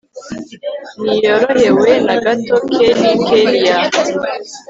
ntiyorohewe nagato kelli kellia